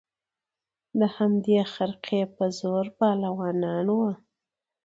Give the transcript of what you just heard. د همدې خرقې په زور پهلوانان وه